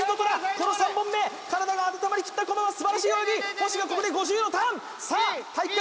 この３本目体が温まりきった駒場すばらしい泳ぎ星がここで５０のターンさあ体育会